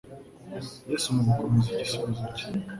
Yesu mu gukomeza igisubizo cye,